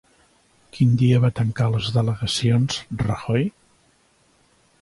Quin dia va tancar les delegacions Rajoy?